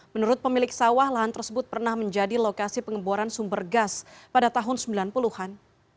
menurut pemilik sawah lahan tersebut pernah menjadi lokasi pengeboran sumber gas pada tahun sembilan puluh an